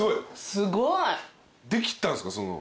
すごい。できたんすか？